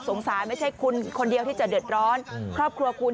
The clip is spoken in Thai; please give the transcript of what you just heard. ไม่ใช่คุณคนเดียวที่จะเดือดร้อนครอบครัวคุณ